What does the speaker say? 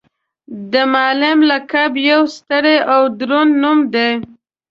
د معلم لقب یو ستر او دروند نوم دی.